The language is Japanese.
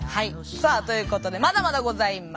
さあということでまだまだございます。